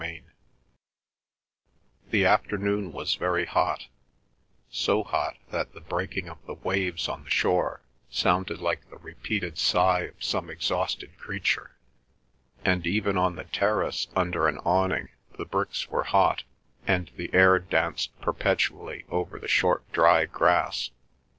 CHAPTER XXV The afternoon was very hot, so hot that the breaking of the waves on the shore sounded like the repeated sigh of some exhausted creature, and even on the terrace under an awning the bricks were hot, and the air danced perpetually over the short dry grass.